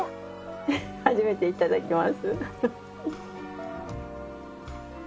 初めていただきます。